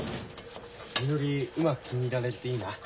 みのりうまく気に入られるといいな。